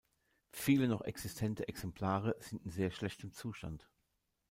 Viele noch existente Exemplare sind in sehr schlechtem Zustand.